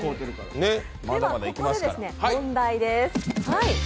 ここで問題です。